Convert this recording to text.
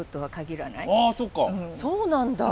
そうなんだ。